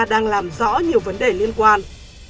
đang làm rõ nhiều vấn đề liên quan